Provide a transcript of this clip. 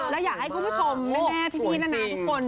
แล้วอยากให้คุณผู้ชมแม่พี่นานาทุกคน